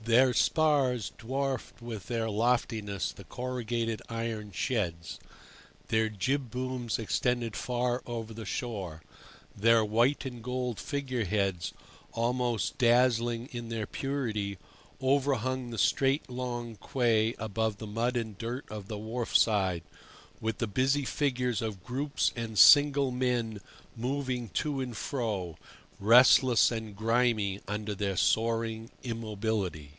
Their spars dwarfed with their loftiness the corrugated iron sheds, their jibbooms extended far over the shore, their white and gold figure heads, almost dazzling in their purity, overhung the straight, long quay above the mud and dirt of the wharfside, with the busy figures of groups and single men moving to and fro, restless and grimy under their soaring immobility.